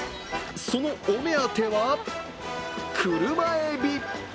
そのお目当ては、車えび。